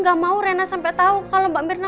gak mau rena sampe tau kalo mbak mirna